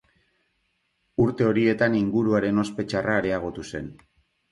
Urte horietan inguruaren ospe txarra areagotu zen.